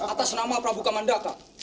atas nama prabu kamandaka